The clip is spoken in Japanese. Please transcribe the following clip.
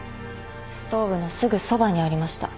ストーブのすぐそばにありました。